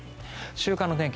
週間の天気